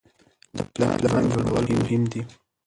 د پلان جوړول مهم دي.